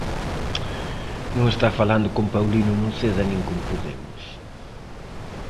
Non está falando con Paulino Noceda nin con Podemos.